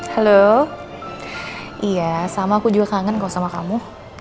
halo iya sama aku juga kangen kok sama kamu